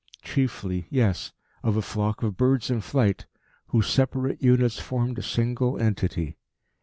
Chiefly, yes, of a flock of birds in flight, whose separate units formed a single entity.